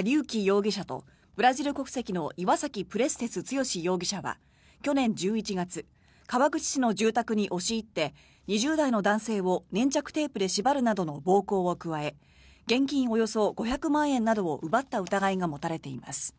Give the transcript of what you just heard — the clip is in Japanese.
容疑者とブラジル国籍のイワサキ・プレステス・ツヨシ容疑者は去年１１月川口市の住宅に押し入って２０代の男性を粘着テープで縛るなどの暴行を加え現金およそ５００万円などを奪った疑いが持たれています。